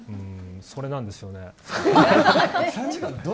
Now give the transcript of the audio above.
それなんですよね。